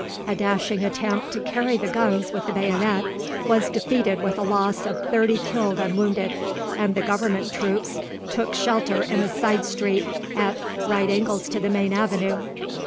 A dashing attempt to carry the guns with the bayonet was defeated with a loss of thirty killed and wounded, and the Government troops took shelter in a side street at right angles to the main avenue.